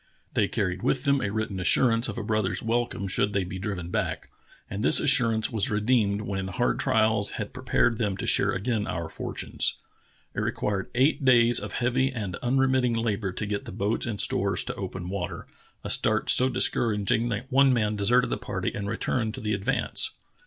They carried with them a written as surance of a brother's welcome should they be driven back; and this assurance was redeemed when hard trials had prepared them to share again our fortunes." It required eight days of heavy and unremitting * See map, page 95. The Angekok Kalutunah 123 labor to get the boats and stores to open water, a start so discouraging that one man deserted the party and returned to the Advance.